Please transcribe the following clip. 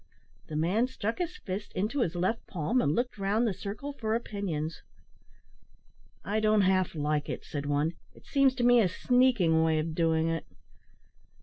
The man struck his fist into his left palm, and looked round the circle for opinions. "I don't half like it," said one; "it seems to me a sneaking way of doin' it."